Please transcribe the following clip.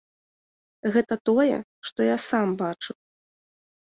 Гэта тое, што я сам бачыў.